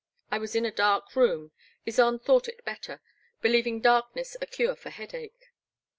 I was in a dark room; Ysonde thought it better, believing darkness a cure for headache.